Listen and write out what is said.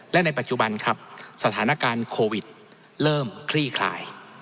และในปัจจุบันครับสถานการณ์โควิดเริ่มคลี่คลาย